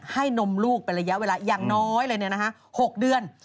นมลูกเป็นระยะเวลาอย่างน้อยเลย๖เดือน